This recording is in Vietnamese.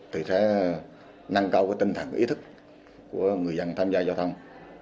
thì sẽ năng cao tinh thần ý thức của người dân tham gia giao thông